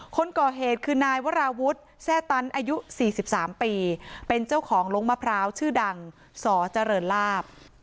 คนก่อเหตุคือนายวราวุฒิแซ่ตันอายุ๔๓ปีเป็นเจ้าของลงมะพร้าวชื่อดังสเจริญลาบ